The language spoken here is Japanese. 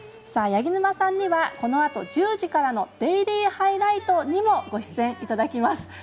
八木沼さんにはこのあと１０時からの「デイリーハイライト」にもご出演いただきます。